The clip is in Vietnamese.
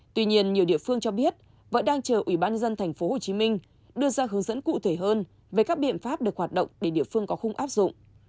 tuy nhiên nhiều địa phương cho biết vẫn đang chờ ủy ban dân tp hcm đưa ra hướng dẫn cụ thể hơn về các biện pháp được hoạt động để địa phương có khung áp dụng